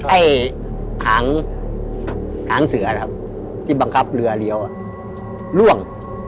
ไอ้หางหางเสือนะครับที่บังคับเรือเลี้ยวล่วง